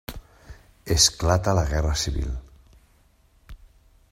Esclata la Guerra Civil.